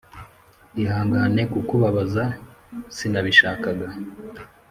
ihangane kukubabaza sinabishakaga